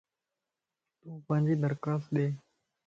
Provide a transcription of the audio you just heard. تون پانجي درخواست ڏي